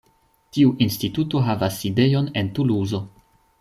Tiu instituto havas sidejon en Tuluzo.